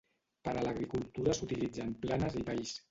Per a l'agricultura s'utilitzen planes i valls.